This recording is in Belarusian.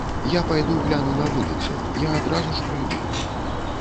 Я пайду гляну на вуліцу, я адразу ж прыйду.